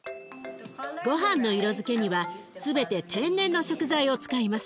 ごはんの色づけには全て天然の食材を使います。